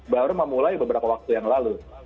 baru memulai beberapa waktu yang lalu